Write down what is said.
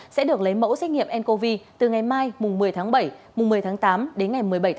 sẽ được lấy mẫu xét nghiệm ncov từ ngày mai một mươi bảy một mươi tám đến một mươi bảy tám